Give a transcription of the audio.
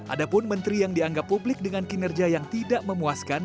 ada pun menteri yang dianggap publik dengan kinerja yang tidak memuaskan